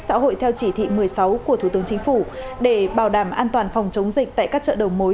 xã hội theo chỉ thị một mươi sáu của thủ tướng chính phủ để bảo đảm an toàn phòng chống dịch tại các chợ đầu mối